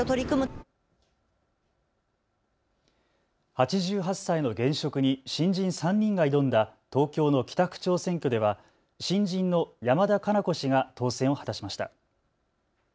８８歳の現職に新人３人が挑んだ東京の北区長選挙では新人の山田加奈子氏が当選を果たしました。